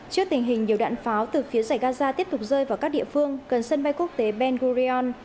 trước tình hình nhiều đạn pháo từ phía giải gaza tiếp tục rơi vào các địa phương gần sân bay quốc tế ben gurion